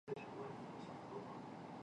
近郊所产的高丽人参驰名国际。